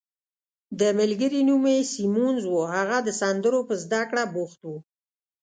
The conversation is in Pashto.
د ملګري نوم یې سیمونز وو، هغه د سندرو په زده کړه بوخت وو.